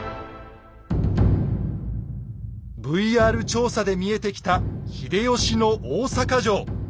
ＶＲ調査で見えてきた秀吉の大坂城。